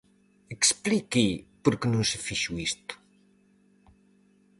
Explique por que non se fixo isto.